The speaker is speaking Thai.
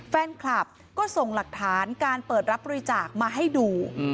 แฟนคลับก็ส่งหลักฐานการเปิดรับบริจาคมาให้ดู